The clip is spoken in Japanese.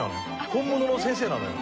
本物の先生なのよ。